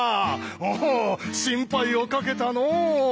おお心配をかけたのう。